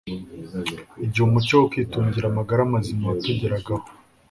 igihe umucyo wo kwitungira amagara mazima watugeragaho